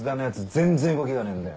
全然動きがねえんだよ。